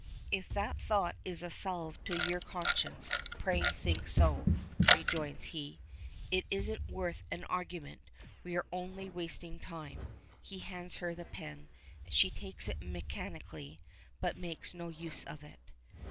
"If that thought is a salve to your conscience, pray think so," rejoins he. "It isn't worth an argument. We are only wasting time." He hands her the pen; she takes it mechanically, but makes no use of it.